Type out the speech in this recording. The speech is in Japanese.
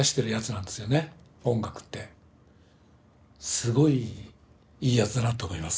すごいいいやつだなと思います。